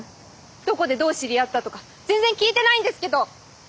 どこでどう知り合ったとか全然聞いてないんですけど！